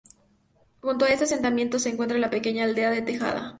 Junto a este asentamiento se encuentra la pequeña Aldea de Tejada.